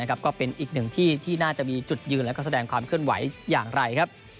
ก็เป็นอีกหนึ่งที่ที่น่าจะมีจุดยืนและแสดงความเคลื่อนไหวอย่างไรครับ